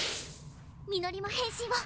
みのりも変身を！